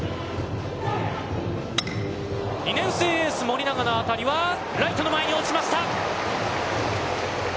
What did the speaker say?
２年生エース盛永の当たりはライトの前に落ちました。